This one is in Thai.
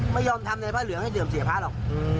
ไม่ยอมทำในพระเหลืองให้ดื่มเสียพระหรอก